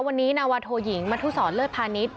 วันนี้นาวาโทยิงมทุศรเลิศพาณิชย